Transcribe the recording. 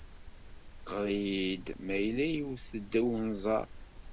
Ɣer-iyi-d ma yella iwet-d wenẓar.